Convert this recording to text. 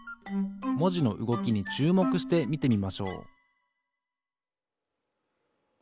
もじのうごきにちゅうもくしてみてみましょう